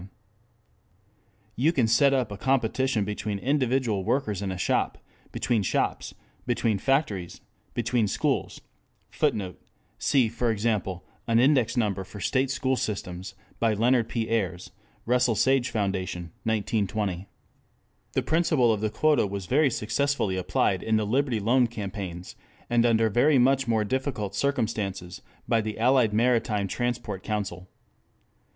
] you can set up a competition between individual workers in a shop; between shops; between factories; between schools; [Footnote: See, for example, An Index Number for State School Systems by Leonard P. Ayres, Russell Sage Foundation, 1920. The principle of the quota was very successfully applied in the Liberty Loan Campaigns, and under very much more difficult circumstances by the Allied Maritime Transport Council.